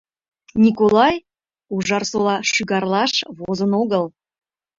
Николай Ужарсола шӱгарлаш возын огыл.